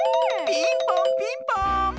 ピンポンピンポーン！